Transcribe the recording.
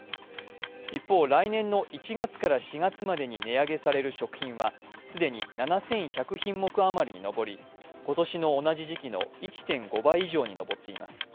一方、来年の１月から４月までに値上げされる食品は、既に７１００品目余りに上り、今年の同じ時期の１．５倍以上に上っています。